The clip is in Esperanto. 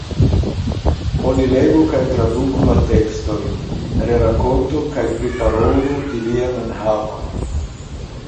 Oni legu kaj traduku la tekstojn, rerakontu kaj priparolu ilian enhavon.